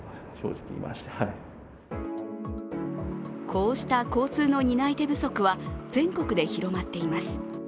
こうした交通の担い手不足は全国で広まってます。